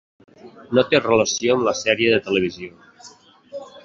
No té relació amb la sèrie de televisió.